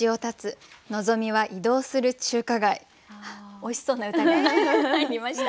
おいしそうな歌が入りました。